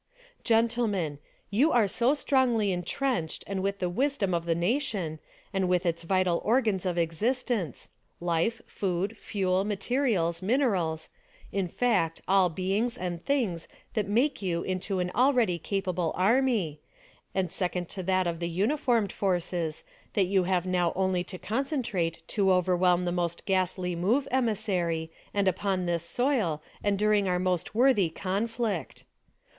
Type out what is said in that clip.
! Gentlemen : You are so strongly entrenched and with the wisdom of the nation, and with its vital organs of existence — life, food, fuel, materials, min erals — in fact all beings and things that make you into an already capable army — and second to that of the uniformed forces, that you have now only to con centrate to overwhelm the most ghastly move emissary, and upon this soil and during our most worthy conflict